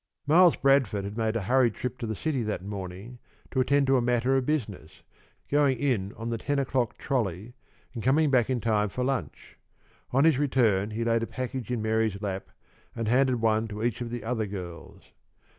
Miles Bradford had made a hurried trip to the city that morning, to attend to a matter of business, going in on the ten o'clock trolley and coming back in time for lunch. On his return, he laid a package in Mary's lap, and handed one to each of the other girls.